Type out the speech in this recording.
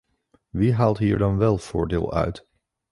Wie haalt hier dan wel voordeel uit?